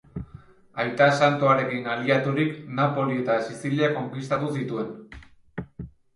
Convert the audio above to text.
Aita Santuarekin aliaturik Napoli eta Sizilia konkistatu zituen.